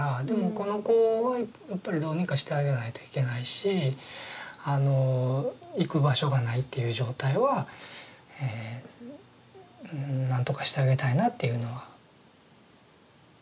でもこの子はやっぱりどうにかしてあげないといけないしあの行く場所がないっていう状態は何とかしてあげたいなっていうのは。